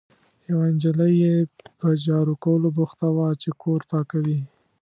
یوه نجلۍ یې په جارو کولو بوخته وه، چې کور پاکوي.